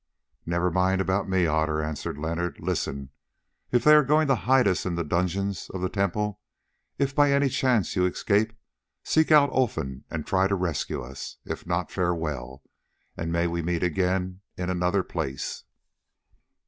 "Never mind about me, Otter," answered Leonard. "Listen: they are going to hide us in the dungeons of the temple; if by any chance you escape, seek out Olfan and try to rescue us. If not, farewell, and may we meet again in another place."